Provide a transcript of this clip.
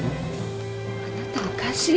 あなたおかしい！